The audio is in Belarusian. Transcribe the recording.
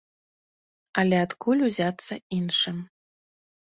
Але адкуль узяцца іншым?